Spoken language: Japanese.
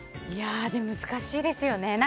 でも、難しいですよね。